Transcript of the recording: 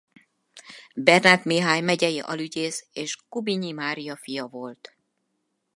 Bernát Mihály megyei alügyész és Kubinyi Mária fia volt.